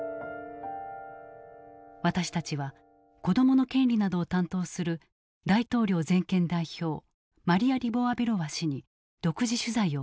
私たちは子どもの権利などを担当する大統領全権代表マリヤ・リボワベロワ氏に独自取材を行った。